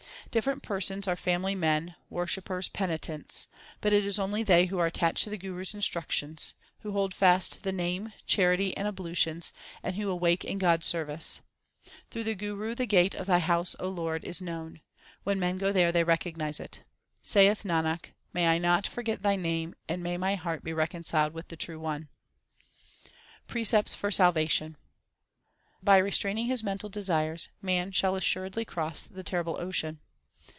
Different persons are family men, worshippers, penitents ; but it is only they who are attached to the Guru s instruc tions, Who hold fast the Name, charity, and ablutions, and who awake in God s service. 1 A sect of Indian Sybarites. 3i8 THE SIKH RELIGION Through the Guru the gate of Thy house, O Lord, is known ; when men go there they recognize it. Saith Nanak, may I not forget Thy name, and may my heart be reconciled with the True One ! Precepts for salvation : By restraining his mental desires man shall assuredly cross the terrible ocean.